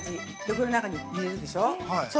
この中に入れるでしょう。